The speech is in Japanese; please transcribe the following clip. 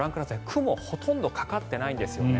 雲、ほとんどかかってないんですよね。